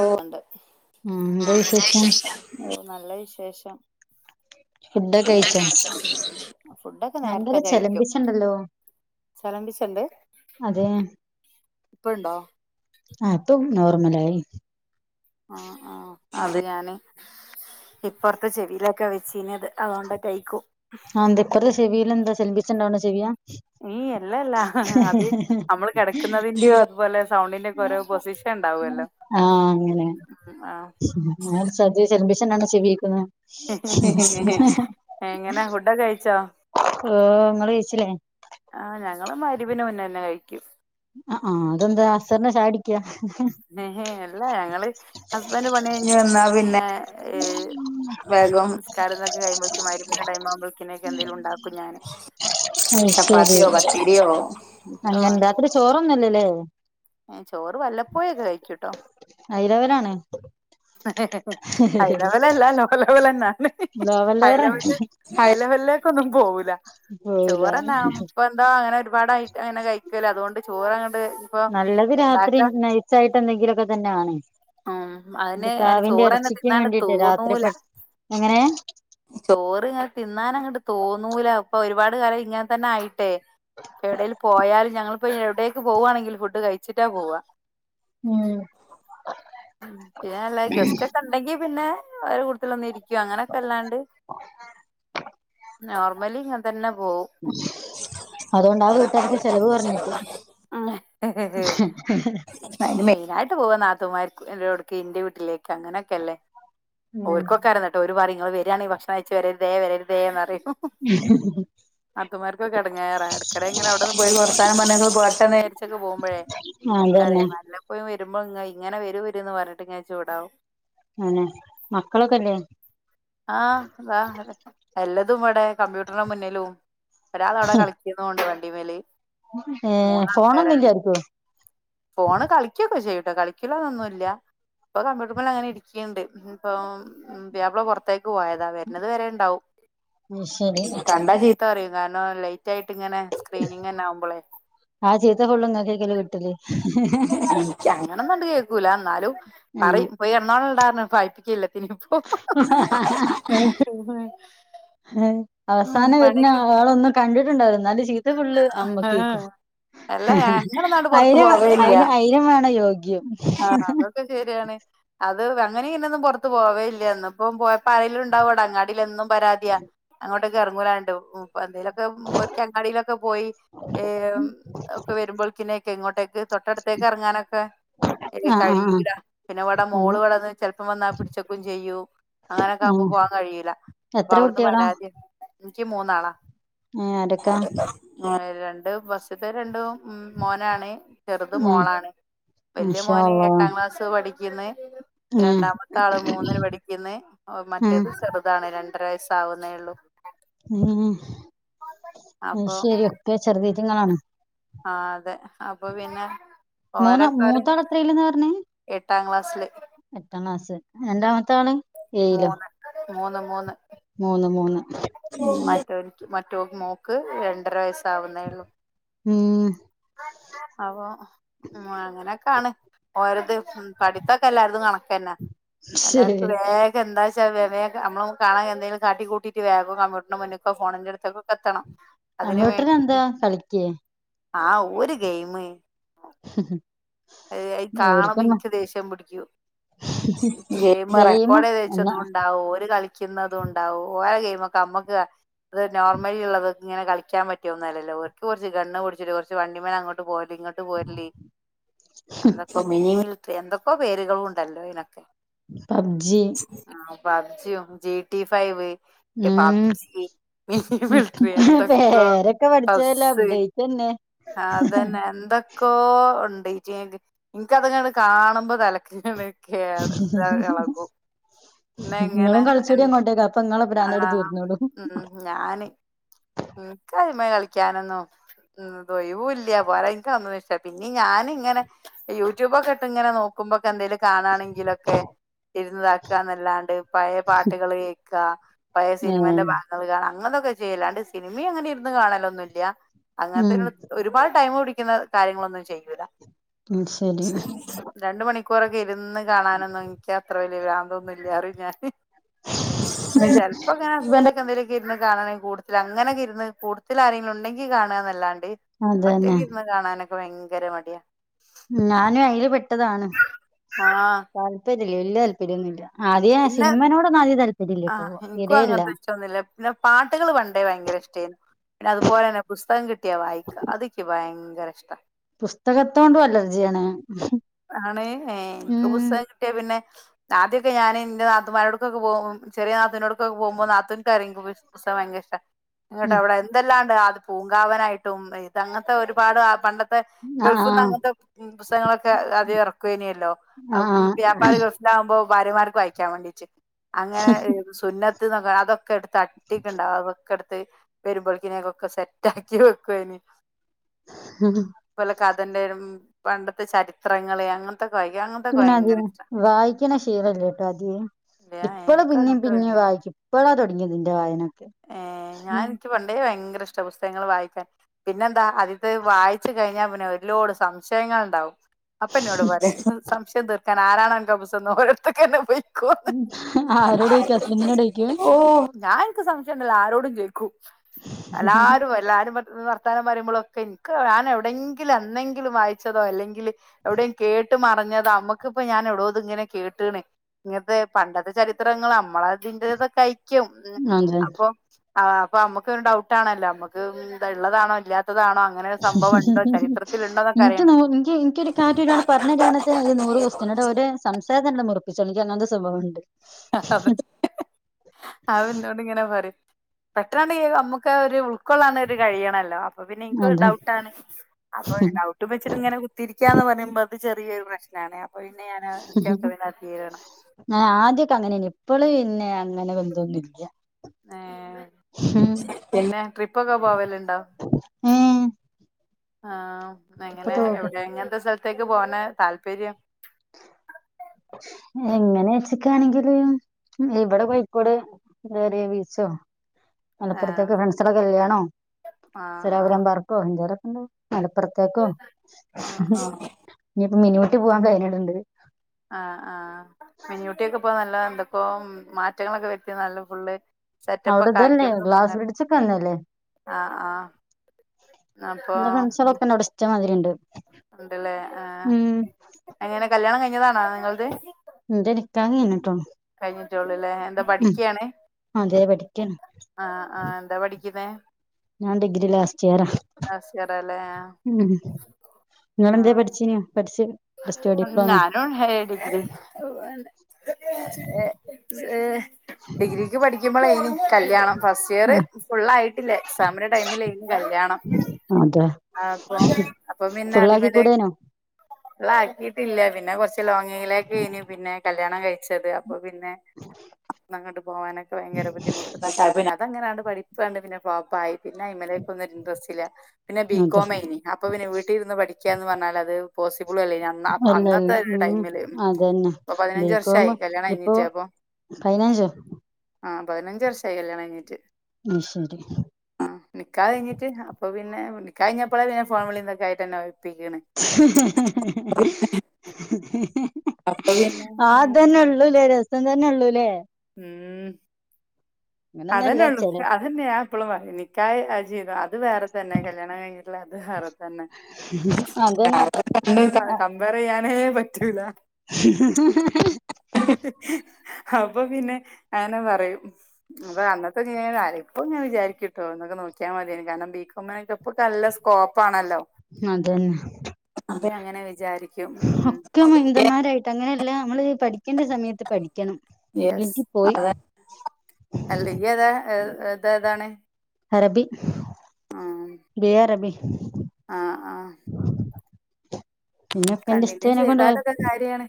അണ്ട് ഉം എന്താ വിശേഷം ആ നല്ല വിശേഷം ഫുഡൊക്കെ കഴിച്ചോ ഫുഡൊക്കെ ഭയങ്കര നേരത്തെ കഴിക്കും ചെലമ്പിച്ചുണ്ടല്ലോ ചലമ്പിച്ചണ്ട് അതെ ഇപ്പഴുണ്ടോ ആ അപ്പൊ നോർമല ആയി ആ ആ അത് ഞാന് ഇപ്പറത്തെ ചെടിയിലൊക്കെ വെച്ചന്ത് ആന്തപ്പറി സെവിയിൽ എന്താ ടെലിവിഷൻ ഓണു ചെയ്യാം ഈ അല്ലല്ല അത് നമ്മള് കിടക്കുന്നതിന്റെയോ അതുപോലെ സൗണ്ടിന്റെ ഒക്കെ ഓരോ പൊസിഷൻ ഉണ്ടാവുമല്ലോ ആ അങ്ങനെ ആ ശ്രദ്ധച്ചിരിമ്പേ അച്ഛനാണോ ചെവിക്കേക്കുന്നേ എങ്ങനെ ഫുഡൊക്കെ കഴിച്ചോ ഓ നിങ്ങള് കഴിച്ചില്ലേ ആ ഞങ്ങള് മരുവിന് മുന്നേ തന്നെ കഴിക്കും ആ ആഹ് അതെന്താ അസറിന ചാടിക്കാ ങേ ങേ ഞങ്ങള് ഹസ്ബൻഡ് പണി കഴിഞ്ഞ വന്നാ പിന്നെ ഏ വേഗം നിസ്കാരം എന്നൊക്കെ കഴിയുമ്പോഴേക്കും മരിപ്പിന്റെ ടൈം ആവുമ്പോഴേക്കിനൊക്കെ എന്തെലും ഉണ്ടാക്കും ഞാന് അത് ശരി ചപ്പാത്തിയോ, പത്തരിയോ, പുട്ടോ എന്തേലും ലേയോ ഏ ചോറ് വല്ലപ്പോയൊക്കെ കഴിക്കുട്ടോ ഹൈ ലെവലാണ് ഹൈലവൽല്ല ലോലവൽ തന്നെയാണ് ലോവർ ലെവറാ ഹൈലവൽ ഹൈലവൽലേക്ക് ഒന്നും പോകില്ല പോയില്ലേ ചോരന്നാ അപ്പ എന്താ അങ്ങനെ ഒരു വടായി അങ്ങനെ കഴിക്കലേ അതുകൊണ്ട് ചോറങ്ങെട് അടെ ഇപ്പോ നല്ലത് രാത്രി ഇണ്ടാക്കാണ് നൈസായിട്ട് എന്തെങ്കിലുമൊക്കെ തന്നെയാണ് ഉം ഇത് അതന്നെ അ പ്രാവിന്റെ ചോറന്നെ ഇറച്ചിക്ക് തിന്നാന് വേണ്ടിട്ട് രാത്രി തോന്നൂല പെ എങ്ങനെ ചോറ് ഇങ്ങനെ തിന്നാനങ്ങോട്ട് തോന്നൂല ഇപ്പൊ ഒരുപാട് ഏത് കാലവുംഇങ്ങനെ തന്നെ ആയി ട്ടെ എവിടേൽ പോയാലും ഞങ്ങളിപ്പോ എവിടെക്ക് പോവു ആണങ്കിൽ ഫുഡ് കഴി ചിറ്റാ പോവ ഉം പിന്നെ വല്ലേ ഗസ്റ്റ് ഒക്കെ ഒണ്ടെങ്കി പിന്നെ അവര കുടി തില് ഒന്നിരികും അങ്ങനൊക്കെല്ലാണ്ട് നോർമലി ഞ തന്നം അതുകൊണ്ട് ആ വീട്ടാർക്ക് ചെലവ് കൊറഞ്ഞിരിക്കും അയിന് മെയിനായിട്ട് പോ ഇപൊ നാത്തുമാർ [unintelligible] ടിക്ക് ഇന്റെ വീട്ടിലേക്ക് അങ്ങനെയൊക്കെല്ലേ ഉം ഓർക്കൊക്കെ അരുന്നട്ടൊ ഓര് പറയും ഇങ്ങള് വരിയാണെ ഭക്ഷണം കഴിച്ചു വരരുതേ വരരുതേന്ന് പറയും നാത്തുമാർക്കൊക്കെ എടങ്ങേറാ ഇടക്കിടെ ഇങ്ങനെ അവിടെന്ന് പോയി വർതാനം പറഞ്ഞ് പൊരട്ടേ വിചരിച്ചൊക്കെ പോകുമ്പഴേ ആഹ് അതേ അതന്നെ വല്ലപൊഴും വരും [unintelligible] ഇങ്ങനെ വരുംവരു എന്ന് പറഞ്ഞിട്ട് ഇങ്ങന ചൂടാവും അന്നെ മക്കളൊക്കെല്ലേ ആഹ് [unintelligible] അല്ല അതുവടെ കമ്പ്യൂട്ടറിന്റെ മുന്നിലും ഒരാള് അവിടെ കളിക്കുന്നുണ്ട് ടിവില് ഏഹ് ഫോണൊന്നുല്ലായിരിക്കും ഫോണ് കളിക്കൊകെ ചെയ്യുട്ടോ കളിക്കലൊന്നുല്ല ഇപ്പൊ കമ്പ്യൂട്ടർബള് അങ്ങനെ ഇരിക്കണ്ട് ഇപ്പ പുയാപിള പുറത്തേ ക് പോയതാ വരുന്നത് വരെണ്ടാവും അത് ശരി കണ്ടാ അറിയും കാരണൊ ലൈ റ്റായിട്ട് ഇങ്ങനെ സ്ക്രീനിങ് തന്നെ ആവുമ്പോളെ ആ ചീത്ത ഫുള്ള് ഇങ്ങക്കേക്കല്ലേ കിട്ടല് ങ്ങന കണ്ട് കേൾക്കൂല എന്നാലും ആഹ് പറയും പോയി എറണാള ഉണ്ട പൈപ്പിക്കില്ല ഇനിപ്പോ [unintelligible] അവസാനം വരുന്ന ആളൊന്നും കണ്ടിട്ടുണ്ടായി നല് ചീത്ത ഫുള്ള് അമ്മക്ക ആഹ് കേക്കും അല്ല ഞങ്ങളൊന്നാണ്ട് പുറത്ത് ആയിരം പോവേല്ല അയിന് ആയിരം വേണം യോഗ്യം ആഹ് അതൊക്കെ ശരിയാണ് അത് അങ്ങനെങ്ങറ പോവയില്ലപ്പ പോ പറലുണ്ടാവും അടങ്ങാലുംന്നും പറരാതിയ ങ്ങട്ട്ക്കും ഇറങ്ങൂലാണ്ടോ ഉം അപ്പ എന്തേലൊക്കെ ചങ്ങാടിയിലൊക്കെ പോയി ഒക്കെ വരുമ്പോഴക്കനെ ഒക്കെ ഇങ്ങോട്ടേക്ക് തൊട്ടടുത്തേക്ക് ഇറങ്ങാനൊക്കെ ആഹ് ആഹ് ആഹ് കഴിൂല പിന്നെ ഇവിടെ അങ്ങനെ മോള്വിടെന്ന് ചെിലപ്പം വന്നാൽ പിടിച്ചക്കും ചെയ്യൂ അങ്ങനെയൊക്കെ ആവുമ്പ ആഹ് പോവാാൻ കഴിൂല്ല അപ്പൊ എത്ര അവിടുന്ന് കുട്ടികളാ വരാതി നിക്ക് മൂന്നാളാ ഏഹ് ആരൊക്കാ ങ്ങനെ രണ്ട് ണ്ട് ഫസ്റ്റ് ത്തെ രണ്ടും ഉ മോനാണ് ചെറുത് ഏഹ് മോളാണ് വല്യയ മാഷാ മോന് അള്ളാ എട്ടാം ക്ലാസ് പഠി യിമേ ഏഹ് രണ്ടാമത്തെ ആള് മൂന്നന് പഠിക്ന്ന് ഉം മറ്റേത് ചെറുതാണ് രണ്ട് പത്ര വയസ്സാവുന്നേ ഉള്ളൂ മ് അ അപ്പൊ ശരി ഒക്കെ ചെറുത റ്റ് ങ്ങളാണ് ആ അതെ അപ്പൊ പിന്നെ മൂന്ന് ഓരക്കെര് മൂത്താള് എത്രയിലെന്ന് പറഞ്ഞേ ട്ടാ ക്ലാസിൽ രണ്ടാമത്താണ് ഏയിലൊ മൂന്ന് മൂന്ന് മൂന്ന് മൂന്ന് മൂന്ന് മറ്റോർ മറ്റു മോക്ക് രണ്ടര വയസ്സ ആവുന്നേ ഉള്ളൂ ഉം അപ്പൊ ഉ അങ്ങനെയൊക്കാണ് ഓരത് പഠിത്തൊക്കെ എല്ലാർതും കണക്ക ന്നെ എല്ലർക്കും ശരി വേഗം എന്താ പക്ഷെമേ നമ്മള കാണാൻ എന്തെിലും കാട്ട കൂട്ടിട്ട് വേ കമ്പ്യൂറിന്റെ മുന്നക്കെ ഫോണിന്റെ ടുത്തൊക്കെ എത്തണം നമ്മ വീട്ടന് എന്താ കളിക്ക് ആ ര് ഗെയിമ ഉ എ അ കാണുമ്പോ ഇനിക്ക് ദേഷ്യം പിടിക്കൂ ഗെയിം റെക്കോർഡ് ദേച്ച തുകൊണ്ടാ ഒരു കളിക്ക ക്കുന്നതും ഇണ്ടാവും ഓരോ ഗെയിമ ഒക്കെ നമ്മുക്ക് അത് നോർമലി ഉള്ളത ഇങ്ങനെ കളിക്കാൻ പറ്റുമോന്നല്ലോർക്ക് കുറച്ച് കണ് കുടിച്ചിട്ട് കുറച്ച് വണ്ടിമേ അങ്ങോട്ട് പോ ഇങ്ങോട്ട് പോരലി അന്നൊക്കെ മിറി എന്തൊക്കോ പേരുകളും ഉണ്ടല്ലോ ഇതിനനൊക്കെ പബ്ജി ജ ജി ട്ടി ഫൈവ് ഉം ബ് എന്തൊക്ക പേരൊക്കെ പ പഠിച്ചതല്ലേ അപ്ഡേറ്റ് തന്നെ അതന്നെ എന്തൊക്കോ ഉ നിനക്ക് അതങ്ങാണ് കാണുമ്പോ തിലക്കാണ് കേ എന്താ കളക്കും പിന്നെ എങ്ങനെ നിങ്ങളും കളിച്ചൂടി അങ്ങോട്ടേക്ക് അപ്പൊ നിങ്ങളെ ആ ഭ്രാന്താട് തീർന്നോളും ഉ ഞാന് ക കള ഉ ദൊയവൂ ഇല്ല പോല ഇന്ന പിന്ന ഞാന ഇങ്ങനെ യൂട്യൂബൊ ഒക്കെ ഇട്ട് ഇനെ നോക്കുമ്പോ എന്തേിലും കാണാണെങ്കില ഒക്കെ ഇരുന്നതാക്കുക എന്നല്ലാണ്ട് പഴയ പാട്ടുകള് കേക്ക പഴയ ഏഹ് സിനിമന്റെ ഭാഗങ്ങൾ കാണ അങ്ങനത്തെെ ചെയ്ലാണ്ട് സിനിമ അങ്ങനെ ഇരുന്ന് കാണാനൊന്നു ല്ല അങ്ങനത്ത ഒരുപാട് ട്ടൈമു പു ടി ന്ന കാര്യങ്ങളൊന്നും ചെയ്യൂല ഉം ശരി രണ്ട് മണി കൊറകേ രുന്ന് കാണാനൊന്നും ൻക്ക അത്രോ ര് [unintelligible] അതൊന്നൂല്യ റിജാ [unintelligible] ചെല്പകാ ഹസ്ബന്റൊക്കെ ന്തേലു കിര്ന്ന് കാണണെ കൂട്ത് ല് അങ്ങനെകെ ഇര്ന്ന് കൂട്ത് ല് ആരേൻലും ഉണ്ടെങ്കി കാണാ ന്നല്ലാ ടേ അതന്നെ ഒറ്റക് ഇര്ന്ന് കാണാനൊ ഭയങ്കര മടിയാ ട്ടതാണ് ആഹ് താൽപ ഇല്ലെയ് വെല്ല്യ താൽപ്പെര്യം ഒന്നും ഇല്ല പിന്നെ ആഹ് ഇൻക്കും അങ്ങെൻ തീരെയില്ല തെന്നെ ഇഷ്ടൊന്നു ഇല്ല പിന്നെ പാട്ട്കെൾ പണ്ടെ ഭയങ്കര ഇഷ്ടെയ്ന്നു പിന്നെ അതുപോലെന്നെ പുസ്തെകം കിട്ടിയാ വായിക്കാ അതിക്ക് ഭയ ങ്കര ഇഷ്ടാ പുസ്തകത്തോണ്ടും അലെർജിയാണ് ആണ് ഏഹ് ഇൻക്ക് പുസ്തകം കിട്ടിയാ പിന്നെ താ ഇങ്ങെട്ട് ഉം അയുടെ എന്തെല്ലാം ഇണ്ട് അ പൂങ്കാവനായിട്ടും ഇത് അങ്ങെത്തെ ഒരുപാട് ആ പണ്ടെ ത്തെ ആഹ് ഗൾഫ്ന്ന് അങ്ങെൻത്തെ ഉം പുസ്തകങ്ങളൊ ക്കെ ആദ്യെ അറക്കൊയ്നെല്ലോ? അയ് ആഹ് ആഹ് ആഹ് പുയാപ്പ്ള്യാര് ഗൾഫിലാവുമ്പോ പ്പം ഭാര്യമാർക്ക് വായിക്കാൻ വാണ്ടിട്ട് അങ്ങനെ എ്ഹ് സുന്നെത്ത്ന്നൊക്കെ അതൊക്കെ ഇട്ത്ത് അട്ടിക്ക് ഇണ്ടാവും അതൊക്കെ ഇട് ത്ത് വെരുമ്പോഴ്ക്കിനെക്കൊക്കെ സെറ്റ് ആക്കി വെക്കൊയ്നി ഇപ്പ ഓൽ ക തെണ്ടെയ്രും പണ്ടെത്തെ ചരി ത്രങ്ങെൾ അങ്ങെ ഇച്ച് പിന്നെ അതികം വായിക്ക്ണ ശീലം ഇല്ലട്ടോ ആദ്യെയെ ഇല്ല ഇപ്പെൾ എനിക്ക് പിന്നെം അങ്ങനത്തെ പിന്നെം ഭയങ്കര ഇഷ്ട വായിക്കും. ഇപ്പെളാ തൊട്ങ്ങിയെത് ഇന്റെ വായനൊക്കെ ഇഷ്ടപുസ്തകങ്ങള് വായിക്കാൻ പിന്നെന്താ അദ്യത് വായിച്ചു കഴിഞ്ഞാ പിന്നെ ഒരുലോട് സംശയങ്ങൾ ഉണ്ടാവും അപ്പ എനോട് പറായ സംശയം തീ ആരാനണ [unintelligible] ഓരടത്തൊക്ക തന്നെ പോയി [unintelligible] ആരോടോയ്ക്കും ഹസ്ബന്റിനോടോയ്ക്കും ഓഹ് ഞാന എനിക്ക് സംശയം ഉണ്ടല്ല ആരോടും ചോയ്ക്കൂ എല്ലാരും എല്ലാരും വർത്താനം പറയുമ്പോളോക്കെ എനിക്ക് ഞാൻ എവിടെങ്കിലും എന്തെങ്കിലും വായിച്ചതോ അല്ലെങ്കിൽ എവിടെയും കേട്ട് മറിഞ്ഞത് നമ്മക്കിപ്പ ഞാൻ എടോ ഇത് ഇങ്ങനെ കേട്ടണ് ഇങ്ങത്തെ പണ്ടത്തെ ചരിത്രങ്ങൾ നമ്മളതിറതൊക്കെയി [unintelligible] അതെ അപ്പൊ ആഹ് അപ്പൊ നമ്മുക്കു ഡൗട്ട് ആണല്ലോ നമ്മക്ക് ഇത് ഉള്ളതാണോ ഇല്ലാതെ ഇല്ലാതെ ആണോ അങ്ങനെ ഒരു സംഭവം ഉണ്ടോ ചരിത്രത്തിൽ ഉണ്ടോന്നൊക്കെ അറിയണ്ടേ കാറ്റട് പറഞ്ഞണത്തെ നൂറ് ക്സ്റ്റിനടെ സംസാര മുറപ്പിച്ചൊ ഇൻക്ക് അങ്ങനത്തെ സ്വഭാവണ്ട് അവന്നോട് ഇങ്ങനെ പറിം പെട്ടെന്നണ്ട്ങ്ക നമ്മക്ക് ആ ഒരു ഉക്കൊള്ളാണ് കഴിയണമല്ലോ അപ്പൊ പിന്നെ ഇൻക്ക് അതെ ഡൗട്ട ആണ് അപ്പൊ ഡൗട്ട് വെച്ചിട്ട് ഇങ്ങനെ കുത്തിരിക്കന്ന് പറയുമ്പോ അത് ചെറിയൊരു പ്രശ്നണ പിന്നെ ഞാന് എനിക്കൊക്കെതിനതിനത്തിരണം ക്കെ അങ്ങനെയ ഇപ്പള് പിന്നെ അങ്ങനെ വന്തൊന്നില്ല ഏ പിന്നെ ട്രിപ്പൊക്കെ പോവലുണ്ടോ ആ ങ്ങനെ എവിടെ എങ്ങനത്തെ സ ത്തേക്ക് പോണ താല്പര്യം എങ്ങനെ വച്ചക്കാണെങ്കില് ഇവിടെ കോഴിക്കോട് ബീച്ചോ ആ മലപ്പുറത്തേക്കെ ഫ്രണ്ട്സ കല്യാണോ ആ ആ സിരാപുരം പാർക്കോ [unintelligible] ഹലോ മലപ്പുറത്തേക്കോ ആ മിനിഊട്ടി പോവാൻ കഴഞ്ഞിട്ണ്ട് ആ ആ ആ മിനിയൂട്ടിയൊക്കെ ഇപ്പോ നല്ല എന്തൊക്കോ മാറ്റങ്ങളൊക്കെ വർതി നല്ല ഫുള്ള് സെറ്റപ്പ് അവിട ഒക്കെ തല്ലേ ആക്കിയന്ന് പറഞ്ഞ ഗ്ലാസ് ബ്രിഡ്ജക്കെ നല്ലല്ലേ ആ ആ അപ്പൊ എന്റെ ഫ്രണ്ട്സൊക്കെപ്പ ഷ്ടമാതിരിണ്ട് ഉണ്ടല്ലേ ആ അങ്ങനെ കല്യാണം കയിഞ്ഞി ഞ്ഞതാണാ നിങ്ങൾത് എന്റെ നിക്കാഹ് കയിഞ്ഞിട്ടൊള്ളൂ കഴിഞ്ഞിട്ടേള്ളൂല്ലേ എന്താ പഠിക്ക്യാണ് അതെ പഠിക്കാണ് ആ ആ എന്താ പഠിക്കിന്നേ ഞാൻ ഡിഗ്രി ലാസ് ലാസ്റ്റ് യറാ അല്ലേ ഉ നിങ്ങളെന്തേ പഠിച്ചീനിയോ പഠി ഉം ഞാനും അങ്ങനെ ഡിഗ്രി ഏ ഡിഗ്രിക്ക് പഠിക്കുമ്പെളെയ്നി കല്യാണം ഫസ്റ്റ് ഇയർ ആ ഫുള്ളായിട്ടില്ല എക്സാമിന്റെ ടൈമിലായ്നി കല്യാണം അതെ അപ്പൊ അപ്പൊ പിന്നെ ഫുള്ളാക്കി അതിമല് കൂടേനോ ല്ലാക്കിയിട്ടില്ല്യ പിന്നെ കൊർച്ച ലോങ്ങയിലക്കെ ഇന് പിന്നെ [unintelligible] കല്യാണം കഴിച്ചത് അപ്പൊ പിന്നെങ്ങോട്ട് പോകാനൊക്കെ ഭയങ്കര ബുദ്ധിമുട്ട് അതങ്ങനെണ്ട് പഠിപ്പാണ്ട് ഫ്ലോപ്പായി പിന്നെ അയ്മലേക്കൊന്നും ഒരു ഇൻറസ്റ്റ് ഇല്ല പിന്നെ ബീകോമെയ്നി അപ്പൊ പിന്നെ വീട്ടിലിരുന്ന് പഠിക്ക ടിക്കാന്ന് പറഞ്ഞാലത് പോസി അല്ല അല്ല ഉം അതന്നെ ഇപ്പൊ പതിനഞ്ച് വർഷായി ബികോമ് കല്യാണം ഇപ്പൊ കഴിഞ്ഞിട്ട് അപ്പൊ കയിഞ്ഞായ്ച്ച ആ പതിനഞ്ച് വർഷായി കല്യാണം കയിഞ്ഞിട്ട് ഉം ശരി ആ നിക്കാഹ് കഴിഞ്ഞിട്ട് അപ്പൊ പി പിന്നെ നിക്കാഹ് കഴിഞ്ഞ ഇപ്പളെല്ലേ ഞാൻ ഫോൺ വിളീം തൊക്കെയ്ട്ട് രിക്ക്ണ് അപ്പൊ പി [unintelligible] ആ അതന്നെ ള്ളൂല്ലേ ര ത്തം തന്നെ ഉള്ളൂല്ലേ ഉം അങ്ങനൊന്നല്ല അതന്നെള്ളൂ ചെല അതന്നെഞാൻ എപ്പോളും പറയ നിക്കാഹ് ആ ജീവിതം അത് വേറെ തന്നെ കല്യാണം കഴിഞ്ഞിട്ടുള്ള അത് വേറെ തന്നെ അതന്നെ അ- കമ്പയർ യ്യാനേ പറ്റൂല [unintelligible] അപ്പൊ പിന്നെ അതെന്നെ പറയും അത് അന്നത്തെ ജീവിത ഇപ്പഴും ഞാന് വിചാരിക്കുട്ടോ അന്നൊക്കെ നോക്കിയാ മതിയെനീ കാരണം ബീകോമിനൊക്കെപ്പൊ നല്ലസ്കോപ്പാണല്ലോ അതെന്നെ ഇപ്പ ഞാനങ്ങനെ വിചാരിക്കും ഉം ഒക്കെ മന്തന്മാരായിട്ട് അങ്ങനെല്ല ല്ലാ മ്മള് പഠി യെസ് പോയി അത അല്ലെങ്കി അതാ ഏത ഏതാണ് അറബി ഉ [inaudible] [inaudible] ആ [inaudible] പിന്നെ ഒക്കെ എൻ്റെ കണ്ടിന്യൂ ഇഷ്ടേനെ കൊണ്ട് ചെയ്താലൊക്കെ കോയാപോയ കാര്യാണ്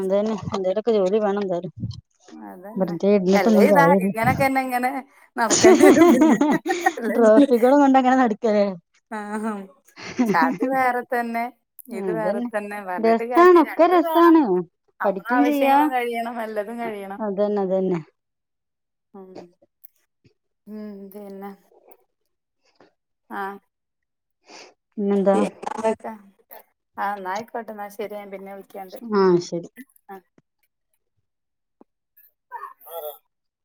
അതന്നെ എന്തേലൊ ക്കൊ ജോലി വേണം എന്താലും അതന്നെ വെറുതെ അല്ലേ ഇരുന്നിട്ടൊന്നും ഇതാ കാര്യം ഇല്ല ഇങ്ങനൊക്കെന്നെ ഇങ്ങനെ നടക്കേണ്ടി വരും പിന്നെ ട്രോഫികളും കൊണ്ടങ്ങനെ നടക്കല് ആഹാ ക്ഷത് വേറെ തന്നെ ഇത് വേറെ അതന്നെ തന്നെ പറഞ്ഞിട്ട് രസാണ് കാര്യം ഒക്കെ രണ്ടു വേണം രസാണ് നമ്മള പഠിക്കും ചെയ്യാ ആവശ്യങ്ങളും കഴിയണം നല്ലത് കഴിയണംഉം അതന്നെ അതന്നെ ഉംപിന്നെ ആഹ പിന്നെന്താ [unintelligible] ആ ന്ന ആയിക്കോട്ടെ നാ ശരിയാ പിന്നെ വിളി ആ ശരി [inaudible]